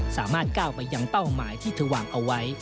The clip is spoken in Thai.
สามารถก้าวไปยังเป้าหมายที่เธอวางเอาไว้